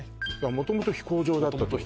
もともと飛行場だったってこと？